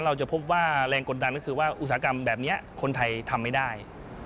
เราจะพบว่าแรงกดดันก็คือว่าอุตสาหกรรมแบบนี้คนไทยทำไม่ได้